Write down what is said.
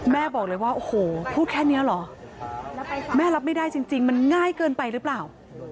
บอกเลยว่าโอ้โหพูดแค่นี้เหรอแม่รับไม่ได้จริงมันง่ายเกินไปหรือเปล่า